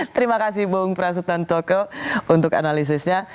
terima kasih bung prasutan toko untuk analisisnya